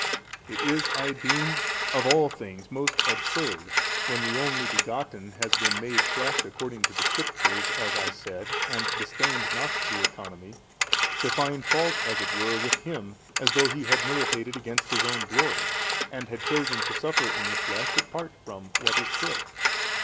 It is (I deem) of all things most absurd, when the Only Begotten has been made flesh according to the Scriptures (as I said) and disdained not the Economy, to find fault as it were with Him as though He had militated against His own glory and had chosen to suffer in the flesh apart from what was fit.